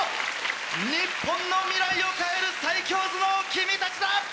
日本の未来を変える最強頭脳君たちだ！